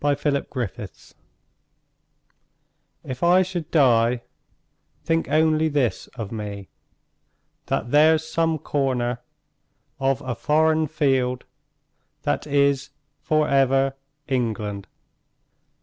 V. The Soldier If I should die, think only this of me: That there's some corner of a foreign field That is for ever England.